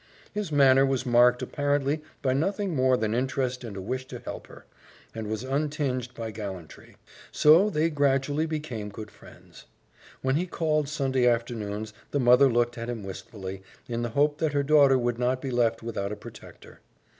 His manner was marked apparently by nothing more than interest and a wish to help her, and was untinged by gallantry; so they gradually became good friends. When he called Sunday afternoons the mother looked at him wistfully, in the hope that her daughter would not be left without a protector.